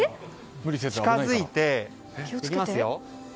近づいて、いきますよ。